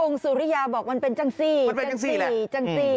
องค์สุริยาบอกมันเป็นจังสี่มันเป็นจังสี่แหละจังสี่จังสี่